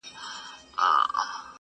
بل فلسطین بله غزه دي کړمه,